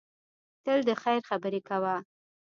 تل د خیر خبرې کوه.